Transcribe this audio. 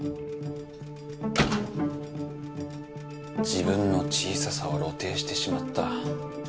自分の小ささを露呈してしまった。